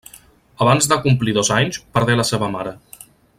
Abans de complir dos anys perdé la seva mare.